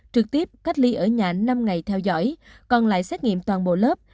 trực tiếp cách ly ở nhà năm ngày theo dõi còn lại xét nghiệm toàn bộ lớp